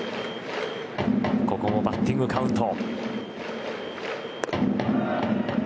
ここもバッティングカウント。